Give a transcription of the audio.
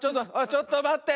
ちょっとまって。